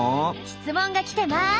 質問が来てます。